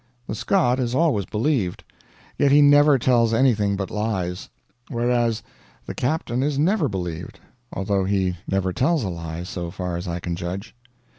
The Scot is always believed, yet he never tells anything but lies; whereas the captain is never believed, although he never tells a lie, so far as I can judge.